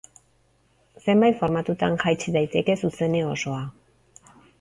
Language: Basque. Zenbait formatutan jaits daiteke zuzene osoa.